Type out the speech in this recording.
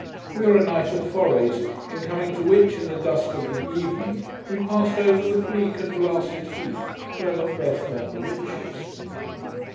We were a night at Fores, in coming to which, in the dusk of the evening, we passed over a bleak and blasted heath where Macbeth met the witches.